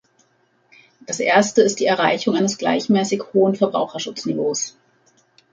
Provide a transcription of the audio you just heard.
Das Erste ist die Erreichung eines gleichmäßig hohen Verbraucherschutzniveaus.